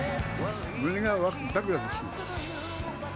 胸がばくばくしてます。